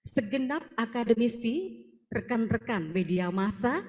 segenap akademisi rekan rekan media masa